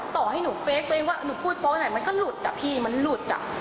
ต่อให้หนูเฟคตัวเองว่าหนูพูดโป๊ไหนมันก็หลุดอ่ะพี่มันหลุดอ่ะ